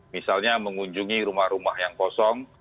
misalnya mengunjungi rumah rumah yang kosong